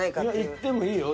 いってもいいよ